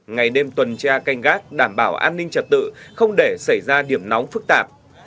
ngày đêm tuần tra canh gác đảm bảo an ninh trật tự không để xảy ra điểm nóng phức tạp